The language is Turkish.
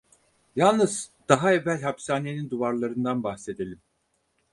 Yalnız daha evvel hapishanenin duvarlarından bahsedelim.